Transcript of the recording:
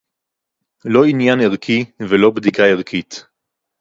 לא עניין ערכי ולא בדיקה ערכית